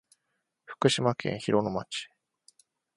福島県広野町